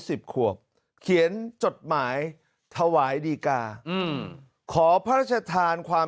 สิบขวบเขียนจดหมายถวายดีกาอืมขอพระราชทานความ